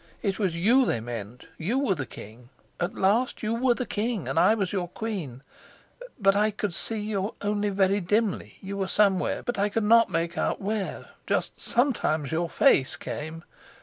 It was you they meant; you were the king. At last you were the king, and I was your queen. But I could see you only very dimly; you were somewhere, but I could not make out where; just sometimes your face came.